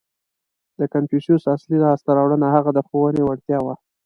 • د کنفوسیوس اصلي لاسته راوړنه د هغه د ښوونې وړتیا وه.